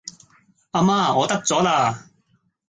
阿媽，我得咗啦!